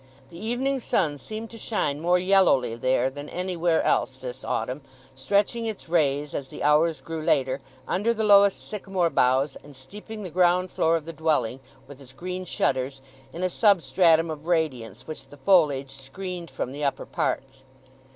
The evening sun seemed to shine more yellowly there than anywhere else this autumn—stretching its rays, as the hours grew later, under the lowest sycamore boughs, and steeping the ground floor of the dwelling, with its green shutters, in a substratum of radiance which the foliage screened from the upper parts.